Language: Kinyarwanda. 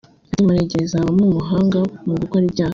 Ati “Muregereza habamo ubuhanga mu gukora ibyaha